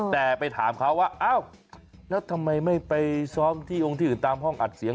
แต่ไปถามเขาว่าอ้าวแล้วทำไมไม่ไปซ้อมที่องค์ที่อื่นตามห้องอัดเสียง